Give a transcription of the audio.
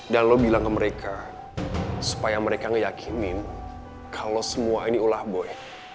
dan lo bilang ke mereka supaya mereka ngeyakinin kalau semua ini ulah boy